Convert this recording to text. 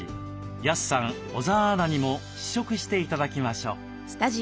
安さん小澤アナにも試食して頂きましょう。